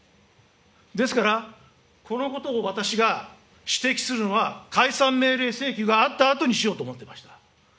ですから、このことを私が指摘するのは、解散命令請求があったあとにしようと思ってました。